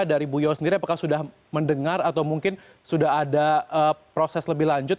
dari bu yos sendiri apakah sudah mendengar atau mungkin sudah ada proses lebih lanjut